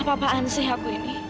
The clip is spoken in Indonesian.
apa apaan sih aku ini